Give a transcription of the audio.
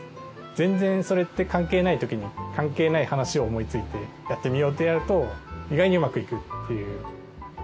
全然それって関係ないときに関係ない話を思いついてやってみようってやると意外にうまくいくっていう。